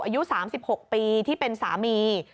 อายุ๓๖ปีที่เป็นสามี